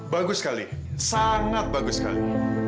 bagus sekali sangat bagus sekali